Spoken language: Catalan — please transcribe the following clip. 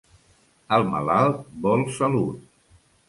El malalt vol salut.